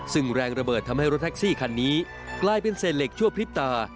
ซึ่งแรงระเบิดทำให้รถแท็กซี่คันนี้กลายเป็นเศษเหล็กชั่วพริบตา